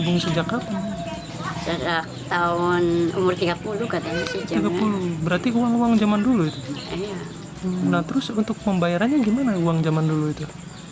nah terus untuk pembayarannya gimana uang zaman dulu itu